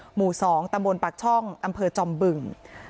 หมู่สองตะโมนปัชช่องอำเภอจอมบึง